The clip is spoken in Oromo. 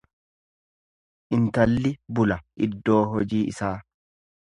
Intalli bula iddoo hojii isaa.